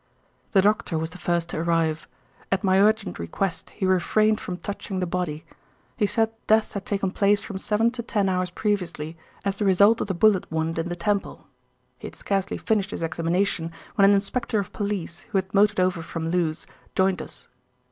"The doctor was the first to arrive. At my urgent request he refrained from touching the body. He said death had taken place from seven to ten hours previously as the result of the bullet wound in the temple. He had scarcely finished his examination when an inspector of police, who had motored over from Lewes, joined us.